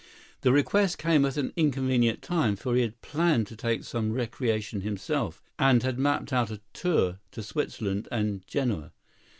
The request came at an inconvenient time, for he had planned to take some recreation himself, and had mapped out a tour to Switzerland and Genoa.